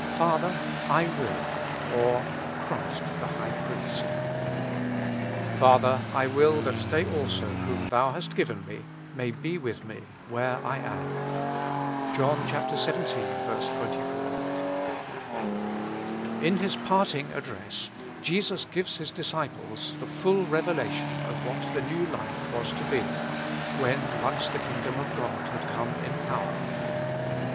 " Father, I will ;" or, Christ the High Priest. Father, I will that they also whom Thou hast given me may be with me where I am, — ^JOHN xvii. 24. IN His parting address, Jesus gives His disciples the full revelation of what the New Life was to be, when once the kingdom of God had come in power.